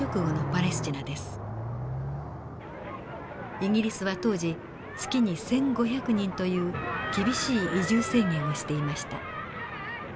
イギリスは当時月に１，５００人という厳しい移住制限をしていました。